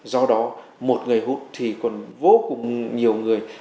do đó một người hút thì còn vô cùng nhiều người